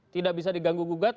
tidak bisa diganggu gugat